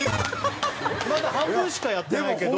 まだ半分しかやってないけど。